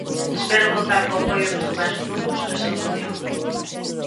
Espero contar co apoio dos demais grupos nesta moción.